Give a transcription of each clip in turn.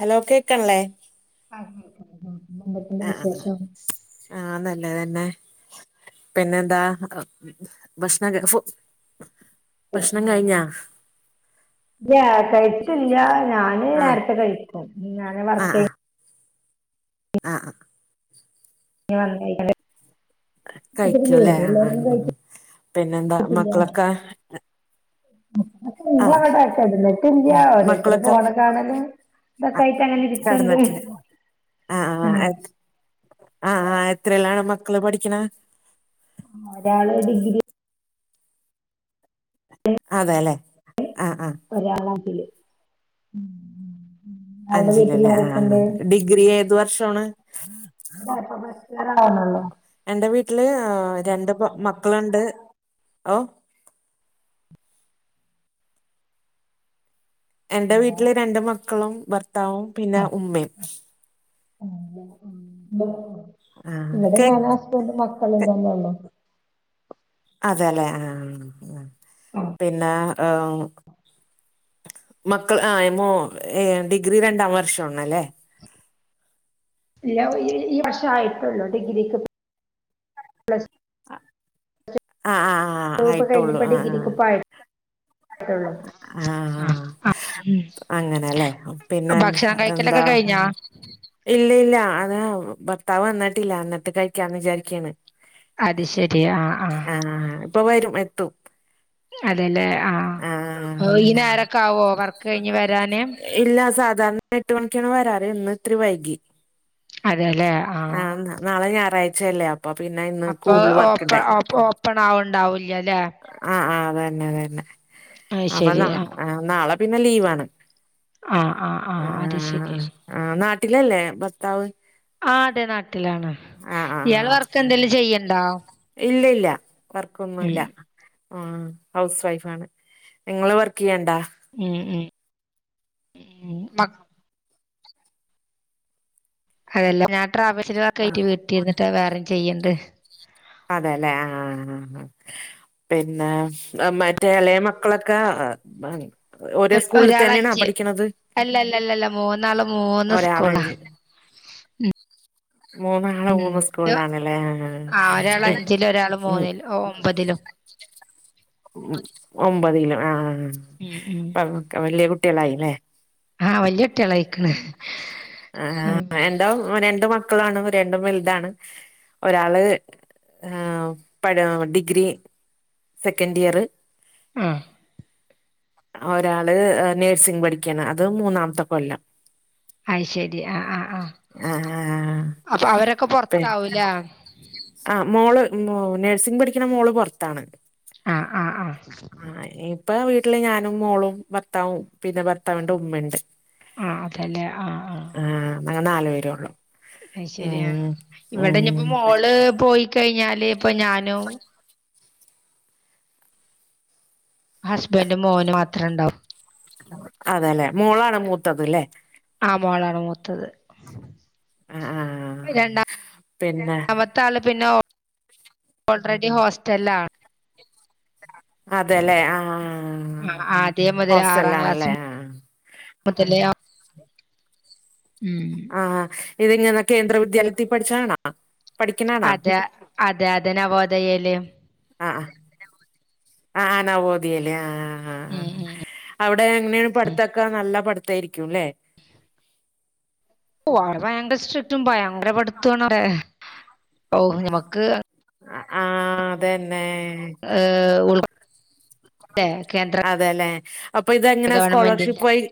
Hello കേക്ക്ണ്ല്ലേ ആഹ് കേക്ക്ന്ന്ണ്ട് [inaudible] പിന്നെന്തേക്കേണ്ട് വിശേഷം ആഹ് നല്ലതന്നെ പിന്നെന്താ ഭക്ഷണക്കെ ഫു ല്ല കഴിച്ചില്ല ഞാന് ആ നേരത്തെ കഴി ഞാന് വർക്കെയ് ആഹ് ഞ് വന്നേക്ക കഴിക്കുംല്ലേ എല്ലാരൊന്നും ആഹ് പിന്നെന്താ കഴിച്ചിട്ടില്ല മക്കളൊക്കെ ആ എന്താ അവിടെ കെടന്നിട്ടില്ല ഉം ഓരോരുത്തര് മക്കളൊക്കെ ഫോണ് കാണലും ഇതൊക്കെ ആയിട്ടങ്ങനെ ഇരിക്ക്ണ്ട് അ ആഹ് എ അ ആഹ് എത്രല്ലാണ് മക്കള് പഠിക്ക്ണെ ഒരാള് ഡിഗ്രി അതെല്ലെ ആഹ് ആഹ് ഒരാളാട്ടില് ഉം അഞ്ചിലല്ലേ ആഹ് ഡിഗ്രി ഏത് വർഷാണ് ഇതാ പ്പൊ ഫസ്റ്റിയറവണല്ലോ എന്റെ വീട്ടില് രണ്ട് പെ മക്കളുണ്ട് ഓ എൻറെ ഏ? വീട്ടില് രണ്ട്‌ മക്കളും ഭർത്താവും പിന്നെ ആ, ഉമ്മേം ആഹ് ഇവിടെ ഞാനാ കേക്ക് ണ്ട് മക്കളും തന്നെ ള്ളൂ അതെല്ലെ ആഹ് ആഹ് പിന്നെ ങ് മക്കള് ആഹ് മോ ഏ ഡിഗ്രി രണ്ടാം വർഷംണല്ലേ ഇല്ല ഈ വർഷ ആയിട്ടൊള്ളൂ ഡിഗ്രിക്ക് പ്ലസ് ആഹ് ആഹ് ആയിട്ടോുള്ളൂ ആഹ് ട്ടുള്ളു ആഹ് ആ അങ്ങനെല്ലേ പിന്നെ ഭക്ഷണം എന്താ കഴിക്കലൊക്കെ കഴിഞ്ഞാ ഇല്ല ഇല്ല അതാ ഭർത്താവ് ന്നിട്ടില്ല ന്നട്ട് കഴിക്കാന്ന് വിചാരിക്കണ് അത് ശരി ആ ആ ആഹ് ആഹ് ഇപ്പ വരും എത്തും അതെല്ലേ ആഹ് ഈ നേരെക്കകോ വർക്ക് കഴിഞ്ഞ് വരാന് ഇല്ല സാധാരണ എട്ടു മണിക്കാണ് വരാറ് ഇന്ന് ഇത്തിരി വൈകി അതെല്ലേ ആ ആഹ് നാളെ ഞായറാഴ്ചയല്ലേ അപ്പ പിന്നെ ഇന്ന് കൂടുതൽ വർക്ക് ണ്ടായി പ്പണവ്ണ്ടാവൂല്ല ല്ലെ ആഹ് ആഹ് അതന്നെ തന്നെ അത് അപ്പൊ ശരി ന ആ നാളെ പിന്നെ ലീവാണ് ആഹ് ആഹ് അഹാ ആഹ് നാട്ടിലല്ലേ ഭർത്താവ് ആഹ് അതെ നാട്ടിലാണ് ഇയാൾ വർക്ക് എന്തേങ്കിലും ചെയ്യ്ണ്ടോ ഇല്ലല്ല വർക്കൊന്നുംല്ല ഉം ആഹ് ഹൗസ് വൈഫാണ് ങ്ങള് വർക്കെയ്യ്ണ്ടാ? ഉം ഉം ഉം മ അതെല്ല ഞാനൻ ട്രാവൽസ് ആ ആക്കിയിട്ട് വീട്ടിരിട്ട് വേറെ ചെയ്യ്ണ്ട് അതെല്ലെ ആഹ് പിന്നെ മറ്റേ ഇളയ മക്കളൊക്കെ ഒരേ സ്കൂളിൽ ഒരാള് തന്നെയണാ അഞ്ച് പഠിക്ക്ണത് അല്ലല്ലല്ലല്ല മൂന്നാളു മൂ ഒരാളഞ്ച് മൂന്നാള് ഉം മൂന്ന് സ്കൂള്ലാണ്ലേ ആഹാ ആ ഒരാള് അഞ്ചിലും ഒരാള് ഉം മൂന്നിലും ഒമ്പതിലും ഒമ്പത്കിലൊ ആഹ് ഉം ഉം അതൊക്കെ വലിയ കുട്ടികളായി ല്ലേ? ആഹ് വല്ല്യായ കുട്ടൃള് അയ്ക്ക്ണ ആഹ് എന്റെ രണ്ട് മക്കളാണ് രണ്ടും വലുതാണ് ഒരാള് ആ പട ഡിഗ്രി സെക്കൻഡ് ഇയർ ആഹ് ഒരാള് നഴ്സിംഗ് പഠിക്കാണ് അത് മൂന്നാംത്തെ കൊല്ലം അയ് ശെരി ആഹ് ആഹ് ആഹ് ആഹ് അപ്പ അവരൊക്കെ പി പൊർത്താവും ലേ ആഹ് മോള് നഴ്സിംഗ് പഠിക്കണ മോള് പുറത്താണ് ആഹ് ആഹ് ആഹ് ഇപ്പ വീട്ടില് ഞാനും മോളും ഭർത്താവും പിന്നെ ഭർത്താവിന്റെ ഉമ്മണ്ട്. ആഹ് അതലെ ആഹ് ആഹ് ആഹ് ഞങ്ങള് നാല് പേരേ ഒള്ളു അയ്ശരിയാ ആഹ് ഇവിടെനിപ്പോ മോള് പോയി കഴിഞ്ഞാല് ഇപ്പൊ ഞാനും ഹസ്ബൻഡും മോനും മാത്രണ്ടാവും അതേലേ മോളാണ് മൂത്തത് ലേ ആ മോളാണ് മൂത്തത് ആഹ് പിന്നെ ആഹ് പിന്നെ രണ്ടാമ ത്തെ ആൾ പിന്നെ ഓൾറെഡി ഹോസ്റ്റലിൽ ആണ് അതേല്ലേ ആഹ് ആ ആ ആദ്യേ ഹോസ്റ്റൽലാണ്ല്ലേ ആ ആ പ്പത്തിലാ ആഹ് ഇതിങ്ങനെ കേന്ദ്ര വിദ്യാലയത്തിൽ പഠിച്ചതാണാ അതെ അതെ അതെ നവോദയേല്. ആഹ് ആഹ് ആഹ് ആഹ് നവോദയേല് ആഹ് ആഹ് ആഹ് ഉം ആഹ് ഉം അവ് അവിടെ എങ്ങനെയാണ് പഠിത്തൊക്കെ നല്ല പഠിത്തായിരിക്കുല്ലേ ഓഹ് അവടെ ഭയങ്കര സ്ട്രിക്റ്റും ഭയങ്കര പടുത്തോണ് അവടെ ഔ നമുക്ക് അ ആഹ് അതന്നെ [unintelligible] അതെലെ അപ്പൊ ഇതെങ്ങനെ സ്കോളർഷിപ്പ് ഗവൺമെന്റിന്റെ വഴി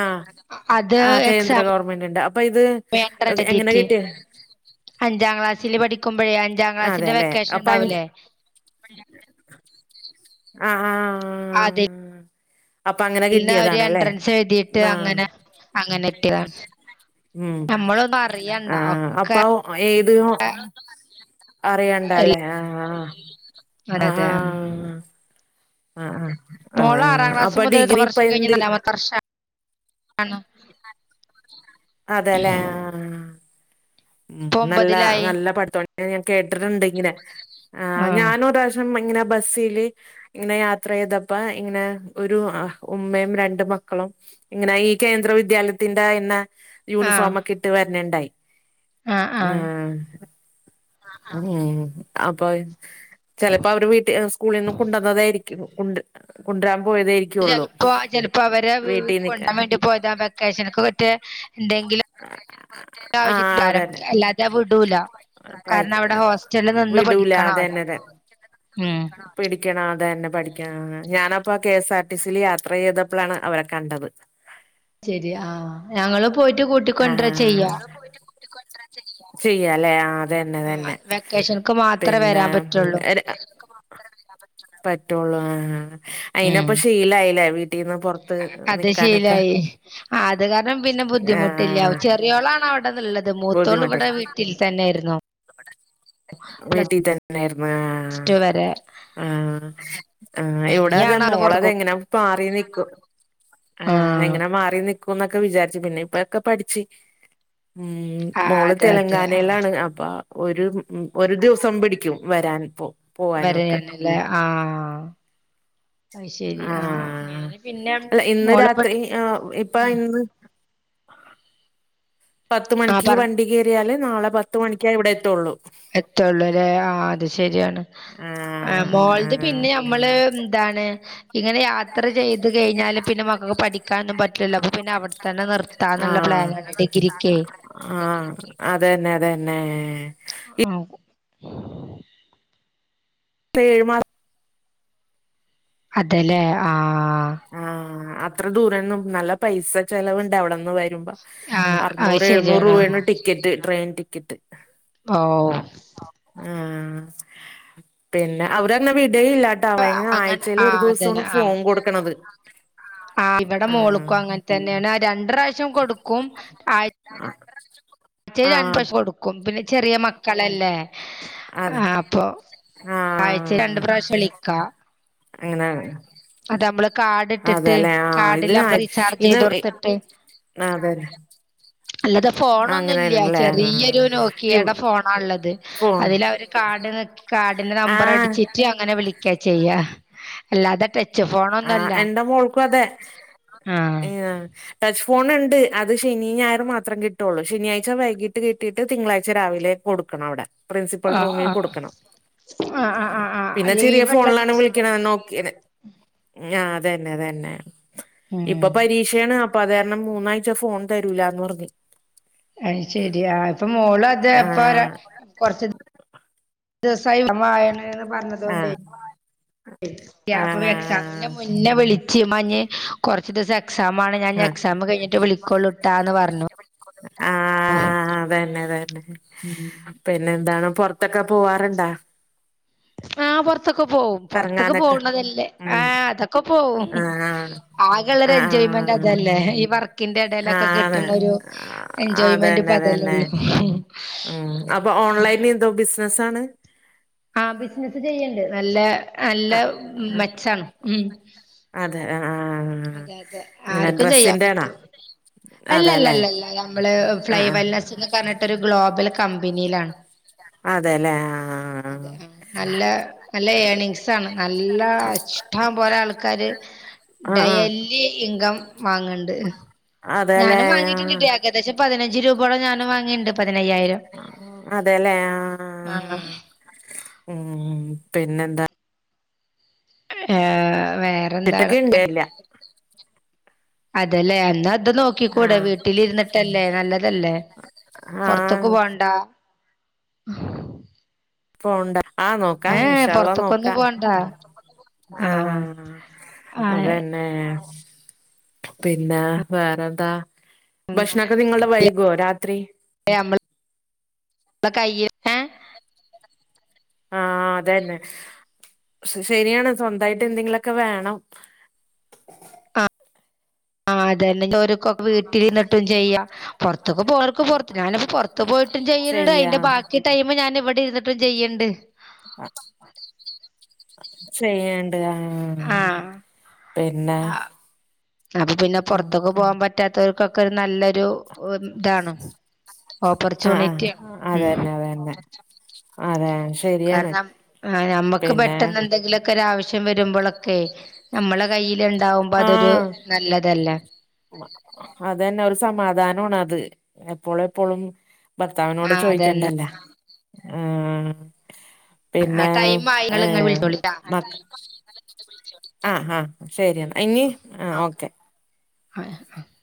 ആഹ് അത് ആഹ് കേന്ദ്ര എക്സാം ഗവൺമെന്റ്ന്റെ അപ്പൊ ഇത് എൻട്രൻസ് എങ്ങനെ എഴുതിയിട്ട് കിട്ടിയേ അഞ്ചാം ക്ലാസ്സിൽ പഠിക്കുമ്പഴേ അഞ്ചാം ക്ലാസ്സിന്റെ വെക്കേഷൻ ഉണ്ടാവൂലേ. അ അ അ ആഹ് അപ്പൊ അങ്ങനെ അതിൽന്ന് ഒരു കിട്ടിയതാണല്ലേ എൻട്രൻസ് എഴുതിയിട്ട് ആഹ് അങ്ങനെ അങ്ങനെ കിട്ടിയതാണ് ഉം നമ്മളൊന്നും അറിയണ്ട ആഹ് അപ് ഒക്കെ ഇപ്പം ഏത് അറിയണ്ടലെ ആഹ് അതെതെ ഉം ആഹ് ആഹ് മോള് ആറാം ക്ലാസ് അപ്പൊ മുതൽ [unintelligible] ഡിഗ്രി ഇപ്പ വർഷം കഴിഞ്ഞ് എന്തിൽ നാലാമത്തെ വർഷാണ്. അതെലെ ആഹ് ഉം ഇപ്പൊ നല്ല ഒമ്പതിലായി നല്ല പഠിത്തോണ്ട് ഞാൻ കേട്ട്ട്ട്ണ്ട് ഇങ്ങനെ ആഹ് ഞാനൊരാവ്ശ് ഉം ഇങ്ങനെ ബസ്സില് ഇങ്ങനെ യാത്ര ചെയ്തപ്പ ഇങ്ങനെ ഒരു ആ ഉമ്മയും രണ്ട്‌ മക്കളും. ഇങ്ങനെ ഈ കേന്ദ്ര വിദ്യാലയത്തിന്റെ അയിന്ന ആഹ് യൂണിഫോം ഒക്കെ ഇട്ട് വര്ണണ്ടായി. ആഹ് ഉം അപ്പഹ് ചെലപ്പോ അവര് വീട്ടി സ്കൂളിൽന്ന് കൊണ്ടന്നാതായിര്ക്കും കൊണ്ട് കൊണ്ട്‌രാൻ പോയത് ആയിരിക്കും ചെൽപ്പോ ചെൽപ്പോ അവരെ വ് നിക്കാൻ കൊണ്ടാൻ വേണ്ടി പോയതാ വെക്കേഷൻക്ക് പറ്റെ എന്തെങ്കിലും ആഹ് ആവശ്യത്തിനെക്കാരം അതന്നെ അല്ലാതെ വിടൂല കാരണം അവിടെ കഴിക്ക ഹോസ്റ്റൽ നിന്ന് വിടൂല പഠിക്കണം അവിടെ അതന്നെ അതെ ഉം പിടിക്കണം അതെ തന്നെ പഠിക്കണം ഞാനപ്പ കെഎസ് ആർ ടിസില് യാത്ര ചെയ്തപ്പോളാണ് അവരെ കണ്ടത് ശരി ആഹ് ഞങ്ങള് പോയിട്ട് കൂട്ടി ആഹ് ചെയ്യല്ലേ ആഹ് തന്നെ ആഹ് തന്നെ വെക്കേഷൻക്ക് മാത്രേ പിന്നെ വരാൻ പറ്റുള്ളൂ [unintelligible] പറ്റുള്ളൂ ആഹ് അയിനപ്പ ഉം ശീലായില്ലേ വീട്ടിൽന്ന് അത് നിക്കാനൊക്കെ ശീലായി ആ അത് കാരണം പിന്നെ ആ ബുദ്ധിമുട്ടില്ല ചെറിയോളാണ് അവിടെന്നുള്ളത് മൂത്തോള ഇവിടെ വീട്ടിൽ തന്നെയായിയിരുന്നു വീട്ടി തന്നെയാരുന്നു ടു വരെ ആ ആ ഇവിട അതാ ഇഞ്ഞാണ് ആള് മോളത് പൊറത്ത്ക്ക് എങ്ങനെ മാറി നിക്കും ആ ആഹ് എങ്ങനെ മാറി നിക്കും ക്കുന്നൊക്കെ വിചാരിച്ചു പിന്നെ ഇപ്പൊക്കെ പഠിച്ച് ഉം ആഹ് മോള് അതെ അതെ ആഹ് തെലങ്കാനയിലാണ് അപ്പൊ അപ്പ ഒരു ഒരു ദിവസം പിടിക്കും വരാൻ ഇപ്പോ വരാനില്ലേ ആഹ് അയ്ശെരി ആഹ് ഞാന് പിന്നെ അല്ല ഇന്ന് രാത്രി മോലപ്പെട്ട് ആഹ് ഇപ്പ ഉം ഇന്ന് പത്ത് ആഹ് മണിക്ക് പറഞ്ഞ വണ്ടി കയറിയാല് നാളെ പത്ത് മണിക്ക ഇവിടെ എത്തുള്ളൂ എത്തുള്ളൂ അല്ലേ ആ അത് ശരിയാണ് ആഹ് മോളത് ആഹ് പിന്നെ മ്മള് എന്താണ് ഇങ്ങനെ യാത്ര ചെയ് ത് കഴിഞ്ഞാല് പിന്നെ മക്കക്ക് പഠിക്കാനൊന്നും പറ്റില്ലല്ലോ അപ്പൊ പിന്നെ അവിടെത്തന്നെ നിർത്താന്നുള്ള പ്ലാനാണ് ആഹ് ഡിഗ്രിക്കേ ആഹ് അതന്നെ അതന്നെ ആ പ്പ ഏഴ് മാ അതല്ലേ ആ ആഹ് അത്ര ദൂരന്നും നല്ല പൈസ ചെലവുണ്ട് അവിടെന്ന് വ രുമ്പ ആഹ് അത് അറനൂറ് എഴുന്നൂറ് ശരിയാണ് രൂപയാണ് ടിക്കറ്റ് ട്രെയിൻ ടിക്കറ്റ് ഓ ആ പിന്നെ അവരങ്ങനെ വിടല്ലട്ടോ ട്ടാ അവന് അങ്ങനെ ആഴ്ചേൽ ഒരു ആഹ് ദിവസമാണ് ഫോൺ കൊടുക്കണത് ആ ഇവിടെ ആഹ് മോളക്കും അങ്ങനെ തന്നെയാണ് രണ്ട് പ്രാവശ്യം കൊടുക്കും ആഴ്ച്ചേ രണ്ട് ആഹ് പ്രാവശ്യം കൊടുക്കും പിന്നെ ചെറിയ മക്കളല്ലേ അതെ ആ അപ്പൊ ആഴ്ച രണ്ട പ്രാവശ്യം വിളിക്കാ അങ്ങനാണ് അത് നമ്മള് കാർഡ് ഇട്ടിട്ട് അതെല്ലെ ആ ഇത് കാർഡില് ആ നമ്മള് റീചാർജ് ഇന്ന് ചെയ്ത് കൊടുത്തിട്ട് ആ അതന്നെ അല്ലാതെ ഫോണൊന്നുംല്ല ആഹ് ചെറിയൊരു ഇവ് നോക്കിയടെ ഫോണാ ഉള്ളത് ഫോൺ അതില അവര് കാർഡ് കാർഡിന്റെ നമ്പർ ആഹ് അടിച്ചിട്ട് അങ്ങനെ വിളിക്ക ചെയ്യ അല്ലാതെ ട ആഹ് എന്റെ മോൾക്കും അതെ ആഹ് ടച്ച് ഫോൺ ഉണ്ട് അത് ശനി ഞായർ മാത്രം കിട്ടുള്ളൂ ശനിയാഴ്ച വൈകീട്ട് കിട്ടിയിട്ട് തിങ്കളാഴ്ച രാവിലെ കൊടുക്കണം അവിടെ പ്രിൻസിപ്പൽ ആഹ് റൂമിൽ ആഹ് കൊടുക്കണം ആഹ് ആഹ് ആ ആഹ് ആഹ് പിന്നെ ചെറിയ ലീവ്ള്ള ഫോണിലാണ് ദിവസം വിളിക്കണ കൊടുക്ക നോക്കിയെടെ ആ അതന്നെ അതന്നെ ഉം ഇപ്പൊ പരീക്ഷയാണ് അപ്പൊ അത് കാരണം മൂന്നാഴ്ച ഫോൺ തരൂലന്ന് പറഞ്ഞ് അ ശരിയാ ഇപ്പ മോള് അതപ്പ ആഹ് കൊറച്ച് ദിവസായി എ [unintelligible] പറഞ്ഞതൊണ്ട് ആഹ് അപ്പ ആഹ് എക്സാമിന്റെ മുന്നേ വിളിച്ചു മ്മാ ഞ് കൊറച്ച് ദിവസം എക്സാം ആണ് ഞാൻ ആഹ് എക്സാം കഴിഞ്ഞിട്ട് വിളിക്കോള്ളട്ടാന്ന് പറഞ്ഞു ആ ആ അതന്നെ അതന്നെ ഉം പിന്നെ എന്താണ് പൊറത്തൊക്കെ പോവാറുണ്ടാ ആഹ് പൊറത്തൊക്കെ പോവും പൊറത്തൊക്കെ കറങ്ങാനൊക്കെ പോവണതല്ലേ ഉം ആഹ് അതൊക്കെ പോവും ആഹ് ആകെള്ള ഒരു ആഹ് എൻജോയ്മെന്റ് ആഹ് അതല്ലേ ഈ വർ ക്കിന്റെ ഇടയിലൊക്കെ ആണ് കിട്ടണ ഒരു ആ, എൻജോയ്മെന്റ് അതന്നെ അതന്നെ ഇപ്പതല്ലേള്ളൂ ഉം അപ്പൊ ഓൺലൈന് എന്തോ ബിസിനസ്സ് ആണ് ആ ബിസിനസ്സ് ചെയ്യ്ണ്ട് നല്ല നല്ല ആ മെച്ചാണ് ഉം അതെ ആ ആ ആ. അതെ അതെ ഇങ്ങനെ ആർക്കും ചെയ്യാൻ ഡ്രസ്സിന്റെണാ പറ്റൂ അതെല്ലേ അല്ലല്ലല്ലല്ല നമ്മള് ആ ആ ഫ്ലൈവെൽനെസ് എന്ന് പറഞ്ഞിട്ട ഒരു ഗ്ലോബൽ കമ്പനിയിലാണ് അതെല്ലേ ആ അതെ ആ നല്ല നല്ല ഏണിംങ്സ് ആണ് നല്ല ഇഷ്ടം പോലെ ആൾക്കാര് ആ ആ ആ. ഡെയലി ഇൻകം വാങ്ങണ്ട് അതെല്ലേ ഞാനും ആ വാങ്ങിയിട്ടിണ്ട് ട്ടോ ഏകദേശം പതിനഞ്ച് രൂപയോട് ഞാൻ വാങ്ങിണ്ട് പതിനയ്യായിരം ആ. അതെല്ലേ ആ ആ, ആഹ് ആ. ഉം പിന്നെന്താ ഏ വേ [unintelligible] ഇണ്ടേല്ല അതെലേ എന്നാ അത് ആ നോക്കിക്കൂടെ വീട്ടിലിരുന്നിട്ടല്ലേ നല്ലതല്ലേ ആ പൊറ്ത്ത്ക്ക് പോണ്ടാ പോണ്ടാ ആഹ് നോക്കാം ഏഹ് ഇർഷാ അള്ളാ പൊറത്ത്ക്കൊന്നും നോക്കാം പോണ്ട ആഹ് ആഹ് അതന്നെ ഏ പിന്നെ വേറെന്താ അങ്ങനെ ഭക്ഷണൊക്കെ നിങ്ങളുടെ വൈകുവോ രാത്രി [inaudible] ആഹ് അതന്നെ ശരിയാണ് സ്വന്തായിട്ട് എന്തെങ്കിലു ഒക്കെ വേണം ആ അതന്നെോക്കൊക്കെ വീട്ടിൽ ഇര്ന്നിട്ടും ചെയ്യാം പുറത്തൊക്കെ പോണോൽക്ക് പുറത്ത് ഞാനിപ്പോ പുറത്ത് പോയിട്ടും ചെയ്യണണ്ട് ചെയ്യാ അതിന്റെ ബാക്കി ടൈമ് ഞാന് ഇവിടെ ഇര്ന്നിട്ടും ചെയ്യണ്ട് ആ ചെയ്യ്ണ്ട് ആഹ് ആ ആഹ് പിന്നെ ആഹ് അപ്പൊ പിന്നെ ആഹ് പൊറത്തൊക്കെ പോകാൻ പറ്റാത്തവർക്കൊക്കെ ഒരു നല്ലൊരു ഇതാണ് ആ ആ ഓപ്പർച്യൂണിറ്റിയാ ഉം അതന്നെ അതന്നെ അതെ ശരിയാണ് കാരണം നമ്മുക്ക് പിന്നെ പെട്ടെന്ന് എന്തെങ്കിലു ഒക്കെ ഒരാ ആവശ്യം വരുമ്പൊളൊക്കെ നമ്മള കയ്യിൽ ഉണ്ടാവുമ്പോ അതൊരു ആഹ് നല്ലതല്ലേ അതന്നെ ഒരു സമാധാനമാണ് അത് എപ്പോളെപ്പോളും ഭർത്താവിനോട് ആഹ് അതന്നെ ചോദിക്കണ്ടല്ല ആ ആ പിന്നെ ടൈം ആയി ഏ ഇങ്ങള് ഇങ്ങള് വിളിച്ചോളിട്ടാ മക്ക ആഹ് ആഹ് ശരിയെന്ന ഇനി ആ ഓക്കെ [unintelligible]